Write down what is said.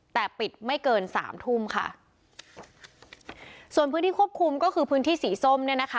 แต่ปิดไม่เกินสามทุ่มค่ะส่วนพื้นที่ควบคุมก็คือพื้นที่สีส้มเนี่ยนะคะ